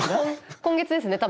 今月ですね多分。